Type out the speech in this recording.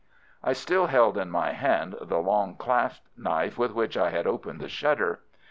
I still held in my hand the long clasp knife with which I had opened the shutter.